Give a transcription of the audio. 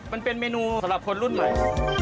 มันเป็นเมนูสำหรับคนรุ่นใหม่